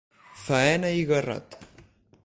Faena i garrot.